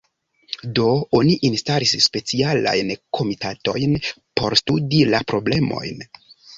Do oni instalis specialajn komitatojn por studi la problemojn.